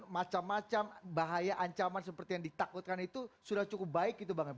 macam macam bahaya ancaman seperti yang ditakutkan itu sudah cukup baik gitu bang